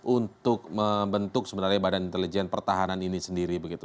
untuk membentuk sebenarnya badan intelijen pertahanan ini sendiri begitu